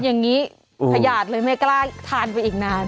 อย่างนี้ขยาดเลยไม่กล้าทานไปอีกนาน